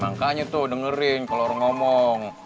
sangkanya tuh dengerin kalau orang ngomong